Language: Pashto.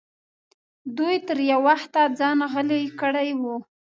دوی تر یو وخته ځان غلی کړی و.